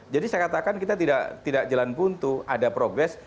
jadi saya katakan kita tidak jalan buntu ada progres